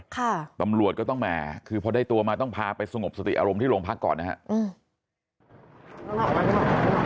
ตำรวจก็ต้องแหมคือพอได้ตัวมาต้องพาไปสงบสติอารมณ์ที่โรงพักก่อนนะฮะอืม